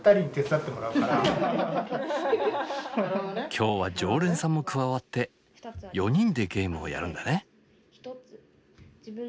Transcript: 今日は常連さんも加わって４人でゲームをやるんだね。